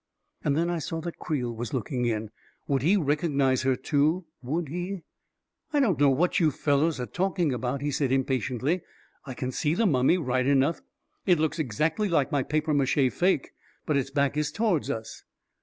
And then I saw that Creel was looking in. Would he recognize her too ; would he ..." I don't know what you fellows are talking about," he said, impatiently. " I can see the mummy, right enough — it looks exactly like my papier mache fake — but its back is toward us